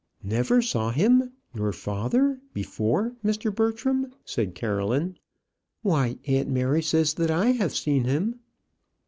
"Never saw him, your father, before, Mr. Bertram?" said Caroline. "Why, aunt Mary says that I have seen him."